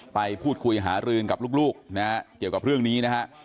ไปพูดคุยหารืนกับลูกนะฮะเกี่ยวกับเรื่องนี้นะฮะ